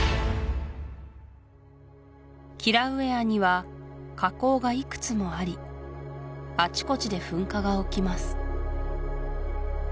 キラウエアには火口がいくつもありあちこちで噴火が起きます